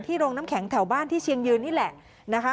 โรงน้ำแข็งแถวบ้านที่เชียงยืนนี่แหละนะคะ